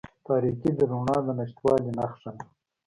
تاریکې د رڼا د نشتوالي نښه ده.